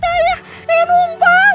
gak malah sobat sobat